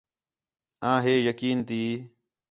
آں ہے یقین تی